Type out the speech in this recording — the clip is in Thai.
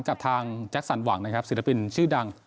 กับทางแจ็คสันหวังนะครับศิลปินชื่อดัง